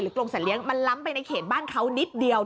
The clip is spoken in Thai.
กรงสัตเลี้ยงมันล้ำไปในเขตบ้านเขานิดเดียว